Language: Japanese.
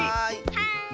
はい。